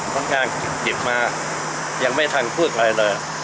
ต้องการกลีบมาก็ขับให้ไปหรือเนี่ย